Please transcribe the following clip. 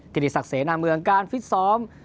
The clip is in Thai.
กิจศักดิ์เสนาเมืองการฟิศสอม